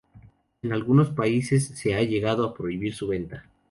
En algunos países se ha llegado a prohibir su venta.